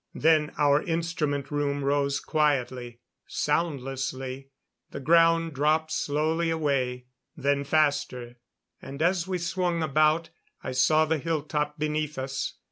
Then our instrument room rose quietly, soundlessly. The ground dropped slowly away, then faster; and as we swung about I saw the hilltop beneath us.